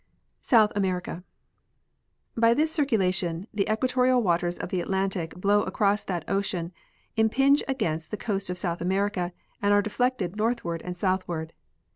South America. By this circulation the equatorial waters of the Atlantic blow across that ocean, impinge against the coast of South America, and are deflected northward and southward.